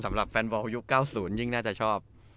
สำหรับแฟนบอลยุค๙๐ยิ่งน่าจะชอบ